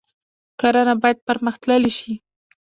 کرنه باید پرمختللې شي